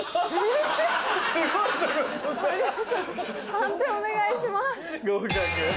判定お願いします。